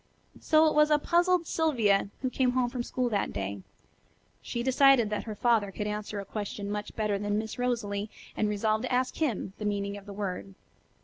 So it was a puzzled Sylvia who came home from school that day. She decided that her father could answer a question much better than Miss Rosalie, and resolved to ask him the meaning of the word.